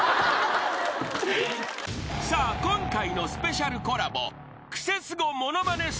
［さあ今回のスペシャルコラボ］